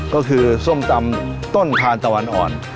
ก็คือส้มตำต้นทานตะวันอ่อน